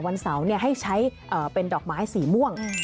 วันเสาร์ให้ใช้เป็นดอกไม้สีม่วง